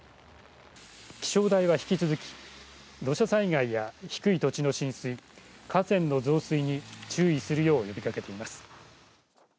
気象台は引き続き土砂災害や低い土地の浸水河川の増水に注意するよう呼びかけています。